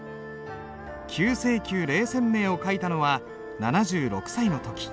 「九成宮醴泉銘」を書いたのは７６歳の時。